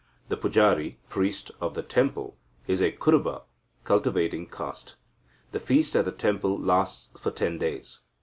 The pujari (priest) of the temple is a Kuruba (cultivating caste). The feast at the temple lasts for ten days.